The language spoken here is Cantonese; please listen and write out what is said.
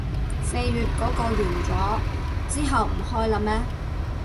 四月嗰個完咗，之後唔開喇咩